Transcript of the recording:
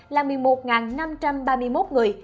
là một mươi một năm trăm ba mươi một người